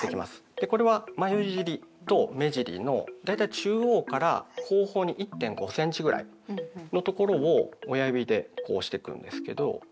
これは眉尻と目尻のだいたい中央から後方に１．５ｃｍぐらいのところを親指でこう押してくんですけど。